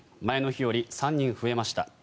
前の日より３人増えました。